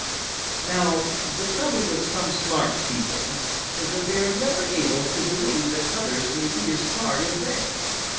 Now the trouble with some smart people is that they are never able to believe that others may be as smart as they.